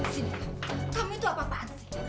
sini kamu itu apa apaan sih